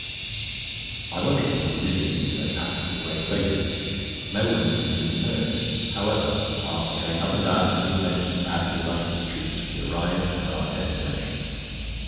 I wonder at people living in such out of the way places. No one seemed to know it. However, after going up and down a good many badly lighted streets we arrived at our destination.